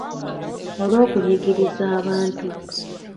Olw’okunyigiriza abantu.